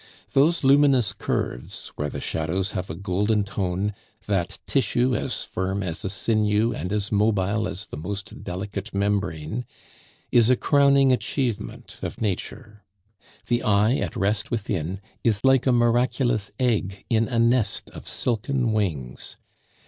Those luminous curves, where the shadows have a golden tone, that tissue as firm as a sinew and as mobile as the most delicate membrane, is a crowning achievement of nature. The eye at rest within is like a miraculous egg in a nest of silken wings.